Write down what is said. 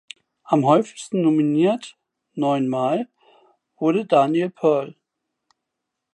Am häufigsten nominiert (neunmal) wurde Daniel Pearl.